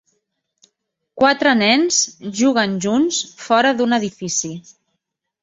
Quatre nens juguen junts fora d'un edifici.